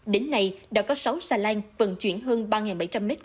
đến nay đã có sáu xà lan vận chuyển hơn ba bảy trăm linh m hai